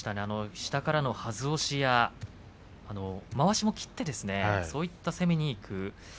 下からのはず押しやまわしを切ってそういった攻めにいく。